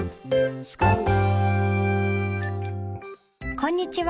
こんにちは。